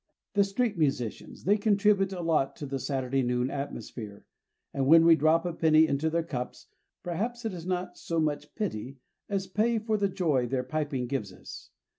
The street musicians, they contribute a lot to the Saturday noon atmosphere. And when we drop a penny into their cups, perhaps it is not so much pity as pay for the joy their piping gives us.